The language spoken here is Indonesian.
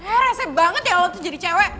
eh rese banget ya lo tuh jadi cewe